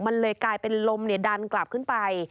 มันเลยกลายเป็นลมดันกลับขึ้นไป